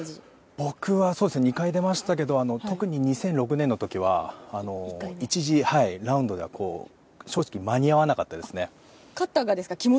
僕は、２回出ましたけど特に２００６年の時は１次ラウンドに正直、間に合わなかったですね。